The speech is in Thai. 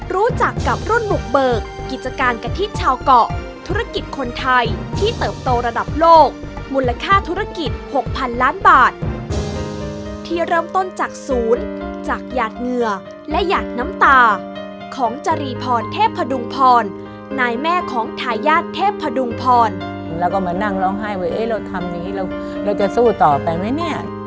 รู้จักกับรุ่นบุกเบิกกิจการกะทิชาวเกาะธุรกิจคนไทยที่เติบโตระดับโลกมูลค่าธุรกิจหกพันล้านบาทที่เริ่มต้นจากศูนย์จากหยาดเหงื่อและหยาดน้ำตาของจรีพรเทพพดุงพรนายแม่ของทายาทเทพพดุงพรแล้วก็มานั่งร้องไห้ว่าเราทำนี้แล้วเราจะสู้ต่อไปไหมเนี่ย